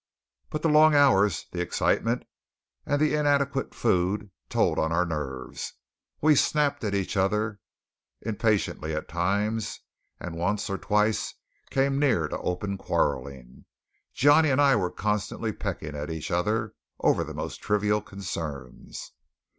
But the long hours, the excitement, and the inadequate food told on our nerves. We snapped at each other impatiently at times; and once or twice came near to open quarrelling. Johnny and I were constantly pecking at each other over the most trivial concerns.